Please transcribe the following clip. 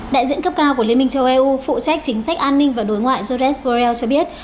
đại diện cấp cao của liên minh châu âu eu phụ trách chính sách an ninh và đối ngoại jorez gorel cho biết